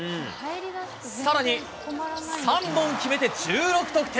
さらに３本決めて１６得点。